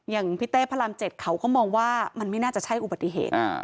อย่างพี่เต้พระราม๗เขาก็มองว่ามันไม่น่าจะใช่อุบัติเหตุ